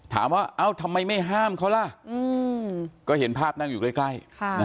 เอ้าทำไมไม่ห้ามเขาล่ะก็เห็นภาพนั่งอยู่ใกล้